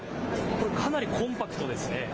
これ、かなりコンパクトですね。